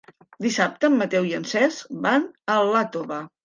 Dissabte en Mateu i en Cesc van a Iàtova.